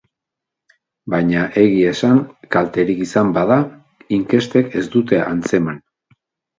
Baina, egia esan, kalterik izan bada, inkestek ez dute antzeman.